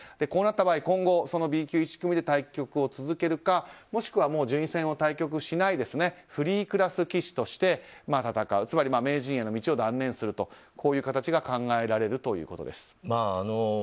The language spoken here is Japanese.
こうなった場合、今後Ｂ級１組で対局を続けるかもしくは順位戦を対局しないフリークラス棋士として戦うつまり名人への道を断念するという形が考えられるということです。